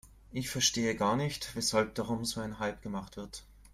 Ich verstehe gar nicht, weshalb darum so ein Hype gemacht wird.